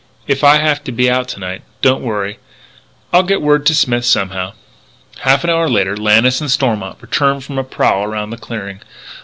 "If I have to be out to night, don't worry. I'll get word to Smith somehow." Half an hour later Lannis and Stormont returned from a prowl around the clearing.